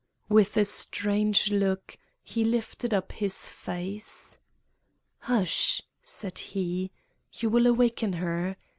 With a strange look, he lifted up his face. "Hush!" said he; "you will awaken her.